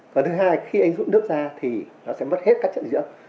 và thứ hai khi anh rút nước ra thì nó sẽ mất hết các chất dinh dưỡng